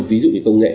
ví dụ như công nghệ